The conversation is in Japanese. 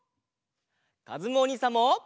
かずむおにいさんも！